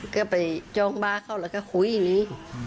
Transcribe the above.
ก็ไปจองบ้าเขาแล้วก็คุยอย่างนี้